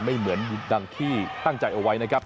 ไม่เหมือนดังที่ตั้งใจเอาไว้นะครับ